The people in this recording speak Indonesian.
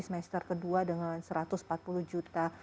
semester kedua dengan satu ratus empat puluh juta